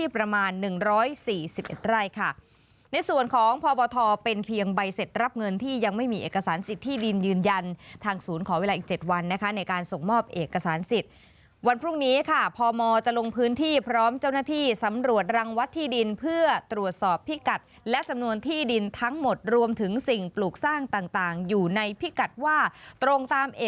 ประมาณ๑๔๑ไร่ค่ะในส่วนของพบทเป็นเพียงใบเสร็จรับเงินที่ยังไม่มีเอกสารสิทธิดินยืนยันทางศูนย์ขอเวลาอีก๗วันนะคะในการส่งมอบเอกสารสิทธิ์วันพรุ่งนี้ค่ะพมจะลงพื้นที่พร้อมเจ้าหน้าที่สำรวจรังวัดที่ดินเพื่อตรวจสอบพิกัดและจำนวนที่ดินทั้งหมดรวมถึงสิ่งปลูกสร้างต่างอยู่ในพิกัดว่าตรงตามเอ